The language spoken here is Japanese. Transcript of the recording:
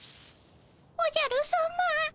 おじゃるさま。